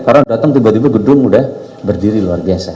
karena datang tiba tiba gedung udah berdiri luar biasa